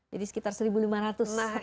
jadi sekitar seribu lima ratus tahun